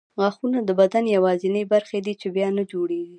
غاښونه د بدن یوازیني برخې دي چې بیا نه جوړېږي.